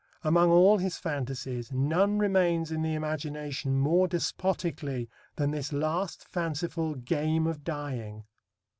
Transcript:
Among all his fantasies none remains in the imagination more despotically than this last fanciful game of dying.